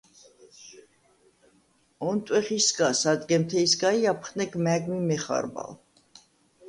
ონტვეხ ისგა სადგემთეჲსგა ი აფხნეგ მა̈გ მი მეხარბალ.